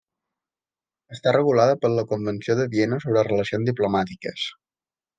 Està regulada per la Convenció de Viena sobre relacions diplomàtiques.